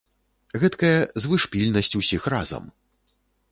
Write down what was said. Гэткая звышпільнасць усіх разам!